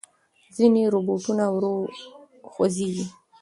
ځینې روباټونه ورو خوځېږي.